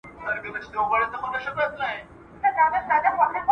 بس یو انګور وي څوک سورکه ، څوک ترې شراب جوړ وي